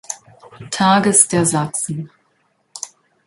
Tages der Sachsen.